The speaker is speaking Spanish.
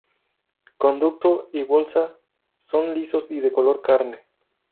Conducto y bolsa son lisos y de color carne.